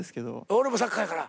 俺もサッカーやから。